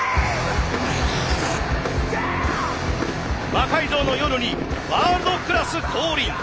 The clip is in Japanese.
「魔改造の夜」にワールドクラス降臨。